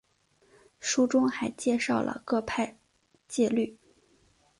书中还介绍了各派戒律。